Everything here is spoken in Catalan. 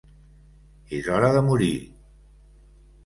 És hora de morir.